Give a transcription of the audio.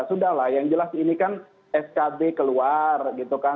sudahlah yang jelas ini kan skb keluar gitu kan